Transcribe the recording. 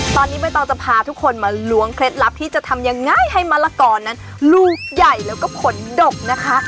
ตอนนี้ใบตองจะพาทุกคนมาล้วงเคล็ดลับที่จะทำยังไงให้มะละกอนั้นลูกใหญ่แล้วก็ผลดกนะคะ